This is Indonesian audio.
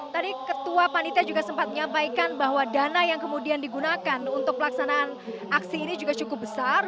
tadi ketua panitia juga sempat menyampaikan bahwa dana yang kemudian digunakan untuk pelaksanaan aksi ini juga cukup besar